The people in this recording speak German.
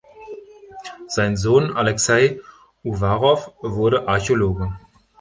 Sein Sohn Alexei Uwarow wurde Archäologe.